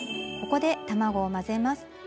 ここで卵を混ぜます。